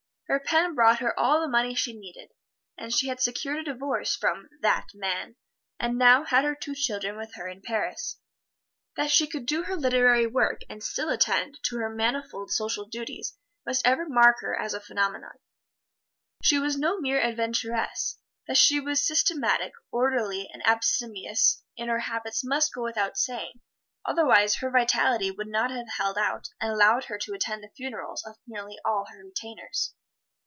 Her pen brought her all the money she needed; and she had secured a divorce from "That Man," and now had her two children with her in Paris. That she could do her literary work and still attend to her manifold social duties must ever mark her as a phenomenon. She was no mere adventuress. That she was systematic, orderly and abstemious in her habits must go without saying, otherwise her vitality would not have held out and allowed her to attend the funerals of nearly all her retainers.